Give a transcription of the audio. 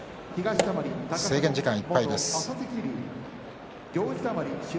制限時間いっぱいです。